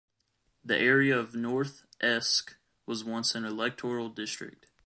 The area of North Esk was once an Electoral district.